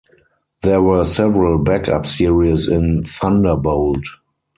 There were several backup series in "Thunderbolt".